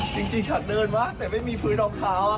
จริงอยากเดินมากแต่ไม่มีพื้นดอกเท้าค่ะ